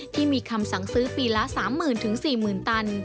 ที่มีคำสั่งซื้อปีละ๓๐๐๐๔๐๐๐ตัน